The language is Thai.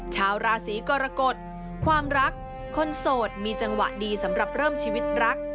ชาวราศีกรกฎความรักคนโสดมีจังหวะดีสำหรับเริ่มชีวิตรัก